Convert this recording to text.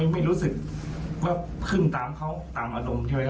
ไม่รู้เรื่องก็สวนสวนนิดนึงค่ะ